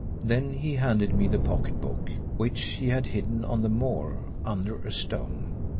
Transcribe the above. Then he handed me the pocket book, which he had hidden on the moor, under a stone.